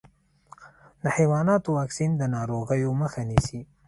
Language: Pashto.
د حیواناتو واکسین د ناروغیو مخه نيسي.